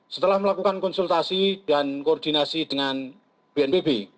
setelah melakukan konsultasi dan koordinasi dengan bnpb